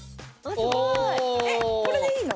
えっこれでいいの？